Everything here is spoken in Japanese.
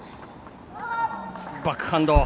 バックハンド。